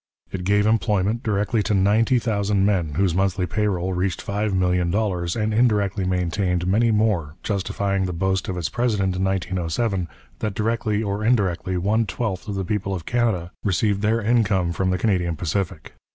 It gave employment directly to ninety thousand men, whose monthly pay roll reached five million dollars, and indirectly maintained many more, justifying the boast of its president in 1907 that directly or indirectly one twelfth of the people of Canada received their income from the Canadian Pacific.